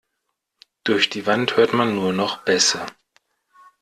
Durch die Wand hört man nur noch Bässe.